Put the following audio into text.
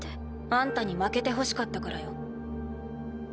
あんたに負けてほしかったからよ。